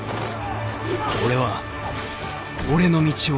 俺は俺の道を行く。